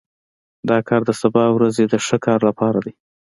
دا کار د سبا ورځې د ښه کار لپاره دی